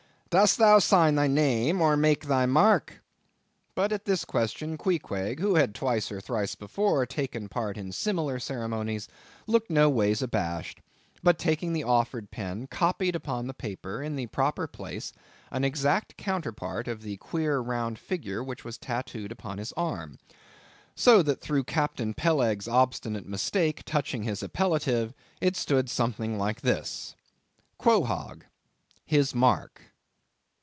dost thou sign thy name or make thy mark?" But at this question, Queequeg, who had twice or thrice before taken part in similar ceremonies, looked no ways abashed; but taking the offered pen, copied upon the paper, in the proper place, an exact counterpart of a queer round figure which was tattooed upon his arm; so that through Captain Peleg's obstinate mistake touching his appellative, it stood something like this:— Quohog. his X mark.